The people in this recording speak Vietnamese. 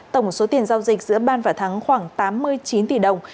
tổng số tiền giao dịch giữa ban và thắng khoảng tám mươi chín tỷ đồng